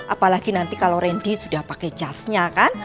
apalagi nanti kalau randy sudah pakai jasnya kan